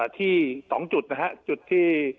ที่๒จุดนะฮะจุดที่